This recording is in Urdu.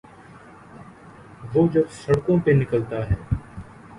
وہ جب سڑکوں پہ نکلتا ہے۔